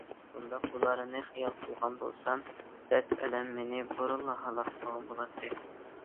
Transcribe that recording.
بۇنداق بولارىنى خىيال قىلغان بولسام، دەرد ئەلەم مېنى بۇرۇنلا ھالاك قىلغان بولاتتى.